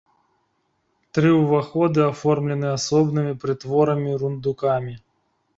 Тры ўваходы аформлены асобнымі прытворамі-рундукамі.